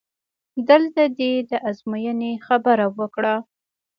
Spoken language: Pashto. دلته دې د ازموینې خبره وکړه؟!